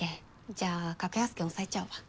じゃあ格安券おさえちゃうわ。